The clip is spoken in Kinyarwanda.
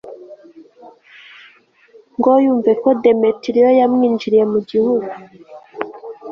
ngo yumve ko demetiriyo yamwinjiriye mu gihugu